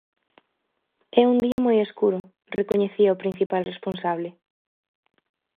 É un día moi escuro, recoñecía o principal responsable.